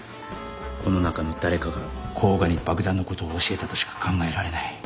この中の誰かが甲賀に爆弾のことを教えたとしか考えられない。